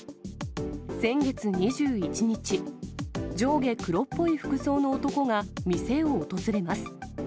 先月２１日、上下黒っぽい服装の男が、店を訪れます。